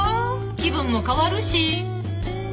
気分も変わるし。